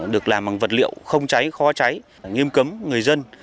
được làm bằng vật liệu không cháy khó cháy nghiêm cấm người dân